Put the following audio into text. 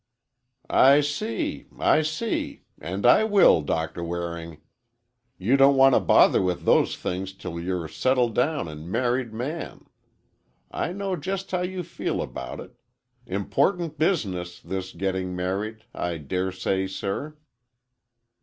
"I see,—I see,—and I will, Doctor Waring. You don't want to bother with those things till you're a settled down married man! I know just how you feel about it. Important business, this getting married,—I daresay, sir."